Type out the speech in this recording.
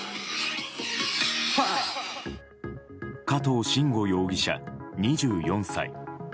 加藤臣吾容疑者、２４歳。